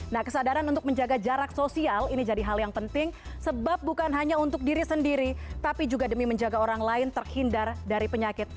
nah kesadaran untuk menjaga jarak sosial ini jadi hal yang penting sebab bukan hanya untuk diri sendiri tapi juga demi menjaga orang lain terhindar dari penyakit